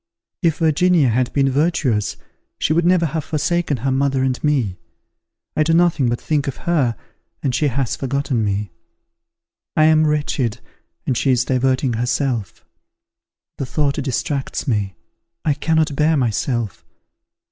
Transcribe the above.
If Virginia had been virtuous, she would never have forsaken her mother and me. I do nothing but think of her, and she has forgotten me. I am wretched, and she is diverting herself. The thought distracts me; I cannot bear myself!